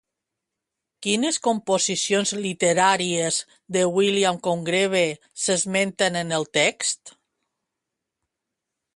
Quines composicions literàries de William Congreve s'esmenten en el text?